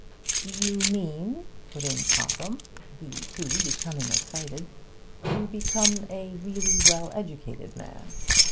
'You mean,' put in Topham, he, too, becoming excited, 'to become a really well educated man?'